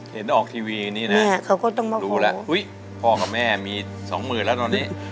เห็นต้องออกทีวีอย่างนี้นะรู้แล้วพ่อกับแม่มีสองหมื่นแล้วตอนนี้